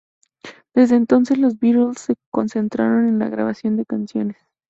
Desde entonces, los Beatles se concentraron en la grabación de canciones.